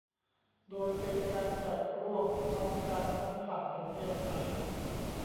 โดยเป็นการจัดร่วมพร้อมกันทั้งฝั่งประเทศไทย